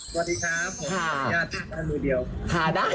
สวัสดีครับผมชื่อไทยรัฐนัดหนูเดียว